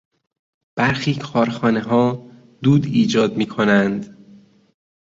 برخی کارخانهها دود ایجاد میکنند.